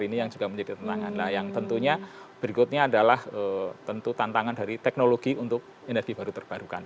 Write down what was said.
ini yang juga menjadi tantangan yang tentunya berikutnya adalah tentu tantangan dari teknologi untuk energi baru terbarukan